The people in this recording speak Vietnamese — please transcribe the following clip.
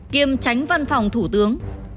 kiêm tránh văn phòng thủ tướng